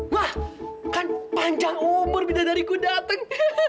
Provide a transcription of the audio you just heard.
wah kan panjang umur bidadariku dateng